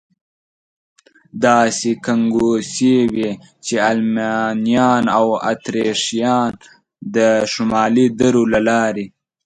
داسې ګنګوسې وې، چې المانیان او اتریشیان د شمالي درو له لارې.